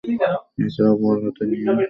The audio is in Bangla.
এছাড়াও, বল হাতে নিয়ে দুইটি উইকেট পান।